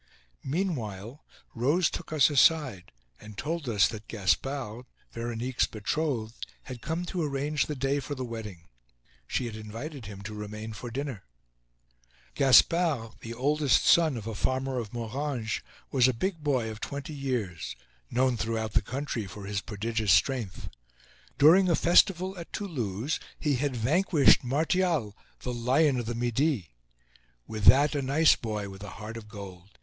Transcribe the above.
Meanwhile, Rose took us aside and told us that Gaspard, Veronique's betrothed, had come to arrange the day for the wedding. She had invited him to remain for dinner. Gaspard, the oldest son of a farmer of Moranges, was a big boy of twenty years, known throughout the country for his prodigious strength. During a festival at Toulouse he had vanquished Martial, the "Lion of the Midi." With that, a nice boy, with a heart of gold.